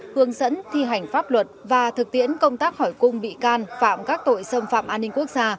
hướng dẫn thi hành pháp luật và thực tiễn công tác hỏi cung bị can phạm các tội xâm phạm an ninh quốc gia